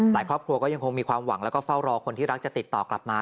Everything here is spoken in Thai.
ครอบครัวก็ยังคงมีความหวังแล้วก็เฝ้ารอคนที่รักจะติดต่อกลับมา